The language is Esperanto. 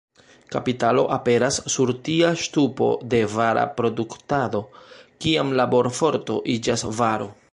Kapitalo aperas sur tia ŝtupo de vara produktado, kiam laborforto iĝas varo.